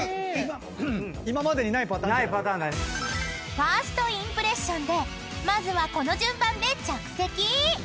［ファーストインプレッションでまずはこの順番で着席］